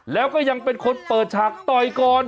แล้วก็ยังเป็นคนเปิดฉากต่อยก่อน